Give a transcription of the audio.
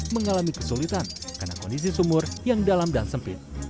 mengalami kesulitan karena kondisi sumur yang dalam dan sempit